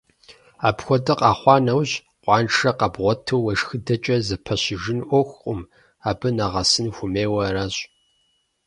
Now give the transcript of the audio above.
Апхуэдэ къэхъуа нэужь, къуаншэр къэбгъуэту уешхыдэкӀэ зэпэщыжын Ӏуэхукъым, абы нэгъэсын хуэмейуэ аращ.